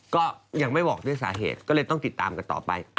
ก็ยังไม่บอกด้วยสาเหตุก็เลยต้องติดตามกันต่อไป